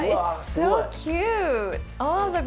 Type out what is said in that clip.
すごい！